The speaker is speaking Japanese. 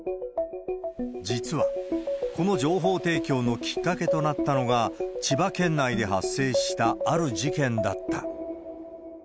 実は、この情報提供のきっかけとなったのが、千葉県内で発生したある事件だった。